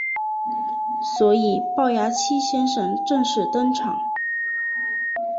所以暴牙七先生正式登场。